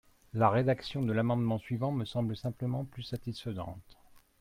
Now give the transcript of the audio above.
La rédaction de l’amendement suivant me semble simplement plus satisfaisante.